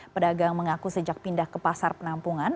pedagang mengaku sejak pindah ke pasar penampungan